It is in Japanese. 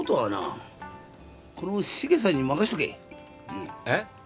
うん。えっ？